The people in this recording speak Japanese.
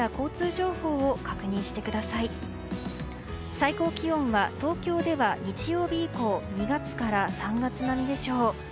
最高気温は東京では日曜日以降２月から３月並みでしょう。